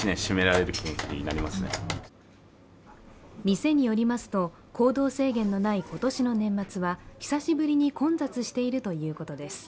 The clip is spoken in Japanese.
店によりますと行動制限のない今年の年末は久しぶりに混雑しているということです。